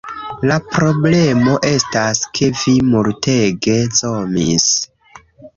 La problemo estas, ke vi multege zomis